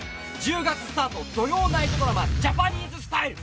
１０月スタート土曜ナイトドラマ『ジャパニーズスタイル』。